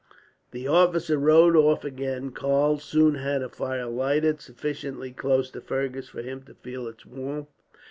The officer rode off again. Karl soon had a fire lighted, sufficiently close to Fergus for him to feel its warmth.